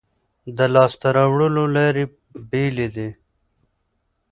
د لاسته راوړلو لارې بېلې دي.